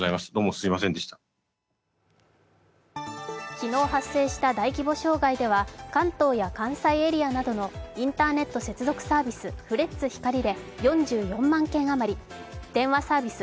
昨日発生した大規模障害では関東や関西エリアなどのインターネット接続サービスフレッツ光で、４４万件あまり電話サービス